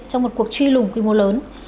trong một cuộc truy lùng quy mô lớn